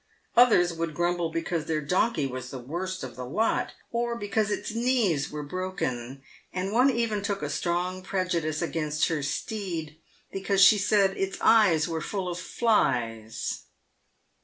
Others would grumble because their donkey was the worst of the lot, or because its knees were broken ; and one even took a strong prejudice against her steed because sbe said its eyes were full of flies.